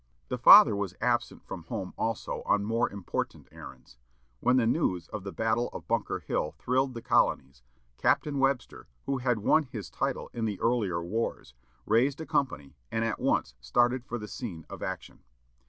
The father was absent from home, also, on more important errands. When the news of the battle of Bunker Hill thrilled the colonies, Captain Webster, who had won his title in the earlier wars, raised a company, and at once started for the scene of action.